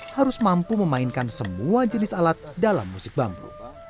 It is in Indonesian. harus mampu memainkan semua jenis alat dalam musik bambu